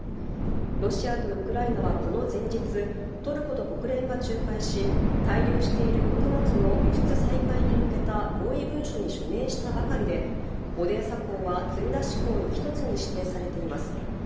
ロシアとウクライナはこの前日、トルコと国連が仲介し、滞留している穀物の輸出再開に向けた合意文書に署名したばかりで、オデーサ港は積み出し港の一つに指定されています。